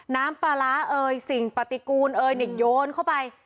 น้ำปลาร้าเอ่ยสิ่งปฏิกูลเอยเนี่ยโยนเข้าไป